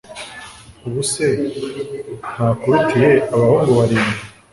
ubu se ntakurutiye abahungu barindwi